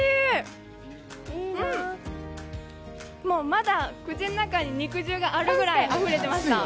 まだ口の中に肉汁があるぐらいあふれてました。